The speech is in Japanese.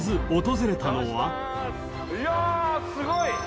いやすごい。